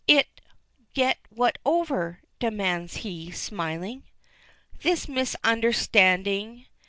"It get what over?" demands he, smiling. "This misunderstanding."